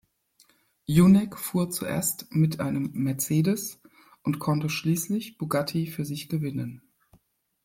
Junek fuhr zuerst mit einem Mercedes und konnte schließlich Bugatti für sich gewinnen.